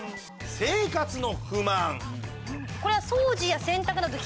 「生活の不満」。